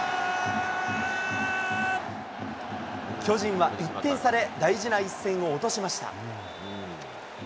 巨人は１点差で大事な一戦を落としました。